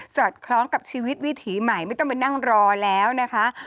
อดคล้องกับชีวิตวิถีใหม่ไม่ต้องไปนั่งรอแล้วนะคะ